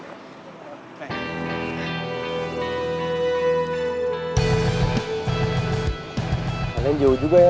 kanan jauh juga ya